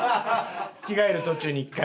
着替える途中に１回。